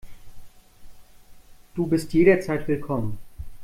Du bist jederzeit willkommen.